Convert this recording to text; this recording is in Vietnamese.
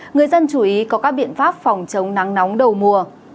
người dân chú ý có các biện pháp phòng chống nắng nóng đầu mùa